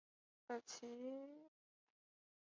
他出身自因弗内斯的青训系统。